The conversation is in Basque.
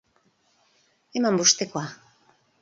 Eman bostekoa!